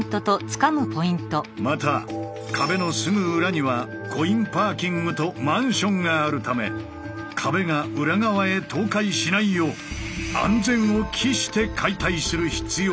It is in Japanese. また壁のすぐ裏にはコインパーキングとマンションがあるため壁が裏側へ倒壊しないよう安全を期して解体する必要がある。